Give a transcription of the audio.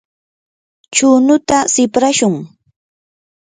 chunuta siprashun.